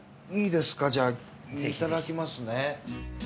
いいですかじゃあいただきますね。